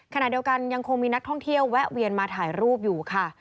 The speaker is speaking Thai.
ขณะเดียวกันยังคงมีนักท่องเที่ยวแวะเวียนมาถ่ายรูปอยู่ค่ะ